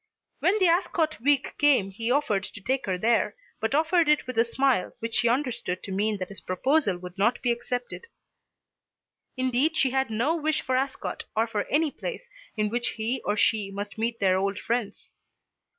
When the Ascot week came he offered to take her there, but offered it with a smile which she understood to mean that his proposal should not be accepted. Indeed she had no wish for Ascot or for any place in which he or she must meet their old friends.